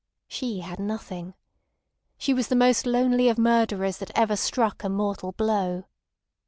She had nothing. She was the most lonely of murderers that ever struck a mortal blow.